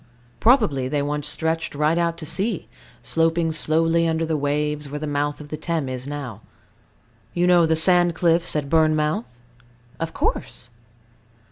Probably they once stretched right out to sea, sloping slowly under the waves, where the mouth of the Thames is now. You know the sand cliffs at Bournemouth? Of course.